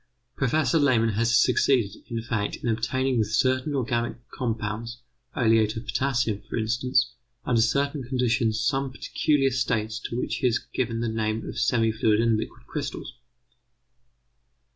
Professor Lehmann has succeeded, in fact, in obtaining with certain organic compounds oleate of potassium, for instance under certain conditions some peculiar states to which he has given the name of semi fluid and liquid crystals.